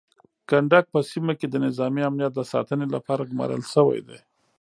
کنډک په سیمه کې د نظامي امنیت د ساتنې لپاره ګمارل شوی دی.